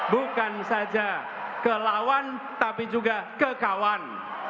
bukan saja ke lawan tapi juga ke kawan